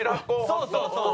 そうそう！